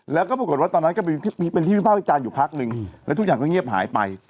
แล้วก็ปรากฏว่าตอนนั้นก็เป็นที่วิภาควิจารณ์อยู่พักนึงแล้วทุกอย่างก็เงียบหายไป